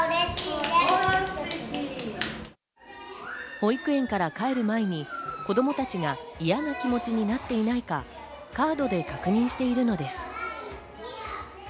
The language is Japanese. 保育園から帰る前に子供たちが嫌な気持ちになっていないか、カードで確認しているのです。